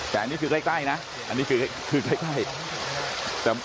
แต่อันนี้คือใกล้ใกล้นะอันนี้คือใกล้ใกล้